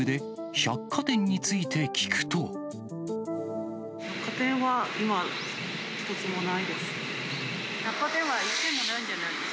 百貨店は今、一つもないです。